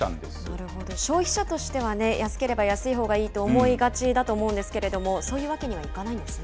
なるほど、消費者としては安ければ安いほうがいいと思いがちだと思うんですけれども、そういうわけにはいかないんですね。